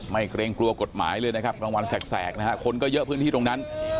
เกรงกลัวกฎหมายเลยนะครับกลางวันแสกนะฮะคนก็เยอะพื้นที่ตรงนั้น